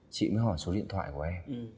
chị mới hỏi số điện thoại của em